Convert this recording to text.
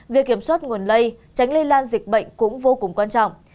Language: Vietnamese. việc kiểm soát nguồn lây tránh lây lan dịch bệnh cũng vô cùng quan trọng